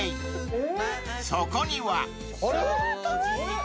［そこには］